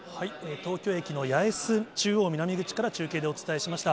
東京駅の八重洲中央南口から中継でお伝えしました。